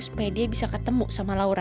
supaya dia bisa ketemu sama laura